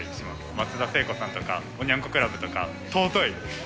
松田聖子さんとか、おニャン子クラブとか、尊い。